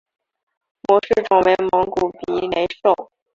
模式种为蒙古鼻雷兽。